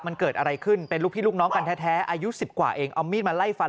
มันเกิดอะไรขึ้นเป็นลูกพี่ลูกน้องกันแท้อายุ๑๐กว่าเองเอามีดมาไล่ฟัน